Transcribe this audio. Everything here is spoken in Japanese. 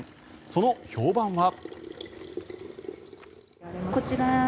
その評判は。